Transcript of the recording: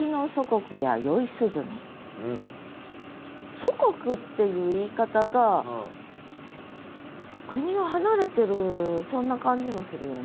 祖国っていう言い方が国を離れてるそんな感じもするよね。